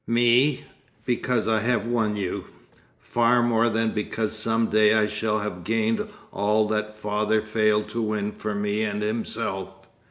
Me, because I have won You, far more than because some day I shall have gained all that father failed to win for me and himself.